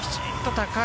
高い！